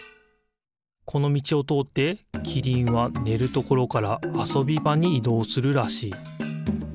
このみちをとおってキリンはねるところからあそびばにいどうするらしい。